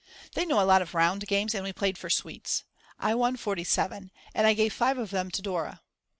They know a lot of round games and we played for sweets. I won 47, and I gave five of them to Dora.